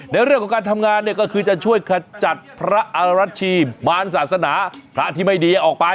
ในเรื่องของการทำงานเนี่ยก็คือจะช่วยขจัดพระอรัชชีมารศาสนาพระที่ไม่ดีออกไป